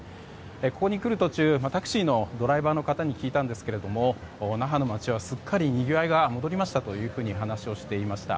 ここに来る途中、タクシーのドライバーの方に聞いたんですが那覇の街はすっかりにぎわいが戻りましたと話をしていました。